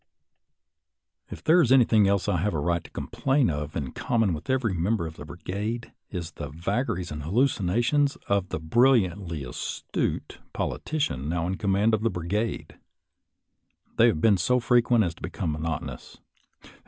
If there is anything else that I have a right to complain of in common with every member of the brigade, it is of the vagaries and hallucina tions of the brilliantly astute politician now in command of the brigade. They have been so frequent as to become monotonous.